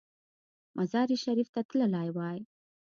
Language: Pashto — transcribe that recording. مزار شریف ته تللی وای.